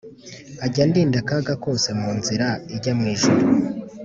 Ajya andinda akaga kose munzira ijya mu ijuru